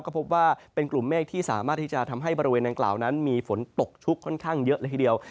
ก็พบว่าเป็นกลุ่มเมฆที่สามารถที่จะทำให้บริเวณดังกล่าวนั้นมีฝนตกชุกค่อนข้างเยอะเลยทีเดียว